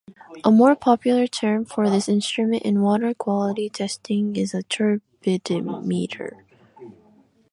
A more popular term for this instrument in water quality testing is a turbidimeter.